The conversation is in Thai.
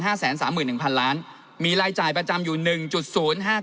แสนสามหมื่นหนึ่งพันล้านมีรายจ่ายประจำอยู่หนึ่งจุดศูนย์ห้า